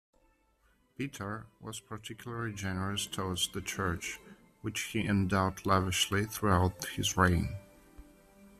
Petar was particularly generous towards the Church, which he endowed lavishly throughout his reign.